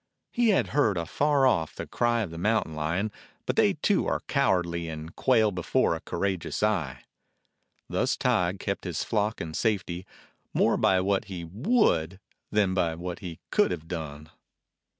He had heard afar off the cry of the mountain lion, but they, too, are cowardly, and quail before a courageous eye. Thus Tige kept his flock in safety more by what he would than by what he could have done.